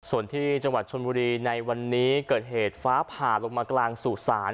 ส่วนที่จังหวัดชนบุรีในวันนี้เกิดเหตุฟ้าผ่าลงมากลางสู่ศาล